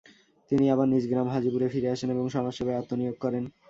তিনি আবার নিজ গ্রাম হাজিপুরে ফিরে আসেন এবং সমাজসেবায় আত্মনিয়োগ করেন।